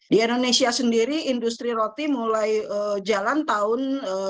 di indonesia sendiri industri roti mulai jalan tahun